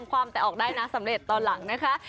ความแต่ออกได้นะสำเร็จตอนหลังนะคะ